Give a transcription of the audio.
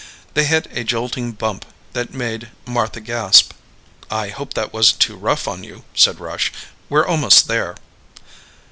They hit a jolting bump that made Martha gasp. "I hope that wasn't too rough on you," said Rush. "We're almost there."